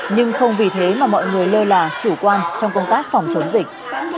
nhưng không vì thế mà mọi người lơ là chủ quan trong công tác phòng chống dịch